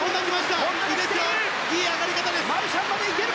いい上がり方です！